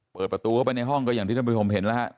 เปิดประตูเข้าไปในห้องก็อย่างที่ท่านผู้ชมเห็นแล้วฮะ